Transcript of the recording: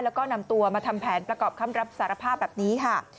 แล้วก็นำตัวมาทำแผนประกอบคำรับสารภาพแบบนี้ค่ะ